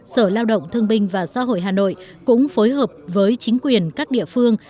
sở lao động thương binh và xã hội hà nội cũng phối hợp với chính quyền các địa phương